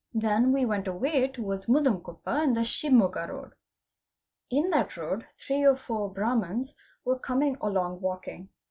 'Then we went away towards Muddem koppa in the Shimoga road. In that road three or four Brahmans were coming along walking.